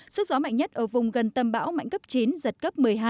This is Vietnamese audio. sức gió mạnh nhất ở vùng gần tâm bão mạnh cấp chín giật cấp một mươi hai